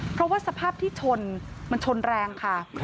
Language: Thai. เพราะว่าสภาพที่ชนมันชนแรงค่ะ